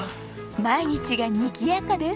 毎日がにぎやかです。